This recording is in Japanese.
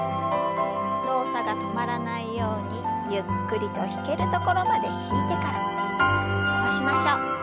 動作が止まらないようにゆっくりと引けるところまで引いてから伸ばしましょう。